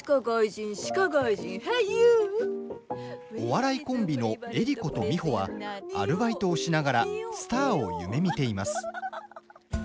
お笑いコンビの江里子と美穂はアルバイトをしながらスターを夢みています。